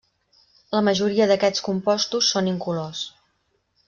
La majoria d'aquests compostos són incolors.